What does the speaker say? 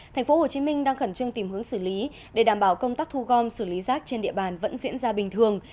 thành phố hồ chí minh đang khẩn trương tìm hướng xử lý để đảm bảo công tác thu gom xử lý rác trên địa bàn vẫn diễn ra bình thường